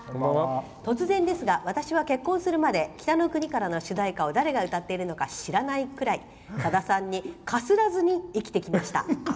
突然ですが私は結婚するまで「北の国から」の主題歌を誰が歌っているのか知らないくらいさださんにかすらずに生きてきました。